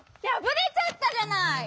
やぶれちゃったじゃない！